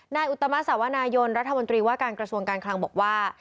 อุตมะสาวนายนรัฐมนตรีว่าการกระทรวงการคลังบอกว่า